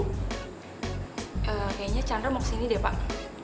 kayaknya chandra mau ke sini deh pak